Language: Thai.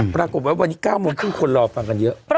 ปรากฏว่า๙โมง่นนี่นะเดี๋ยวคนต้องรอฟังกันเยอะ